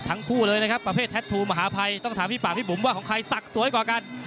ทั้งคู่เลยนะครับประเภทแท็กทูมหาภัยต้องถามพี่ปากพี่บุ๋มว่าของใครสักสวยกว่ากัน